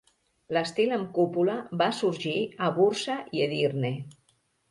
L'estil amb cúpula va sorgir a Bursa i Edirne.